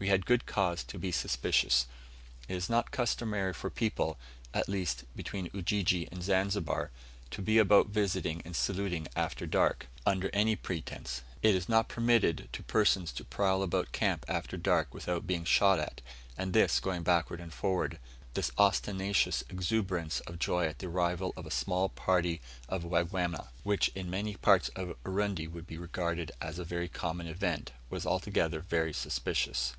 We had good cause to be suspicious; it is not customary for people (at least, between Ujiji and Zanzibar) to be about visiting and saluting after dark, under any pretence; it is not permitted to persons to prowl about camp after dark without being shot at; and this going backward and forward, this ostentatious exuberance of joy at the arrival of a small party of Wangwana, which in many parts of Urundi would be regarded as a very common event, was altogether very suspicious.